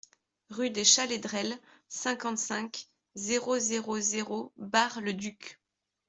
Rue des Chalaidrelles, cinquante-cinq, zéro zéro zéro Bar-le-Duc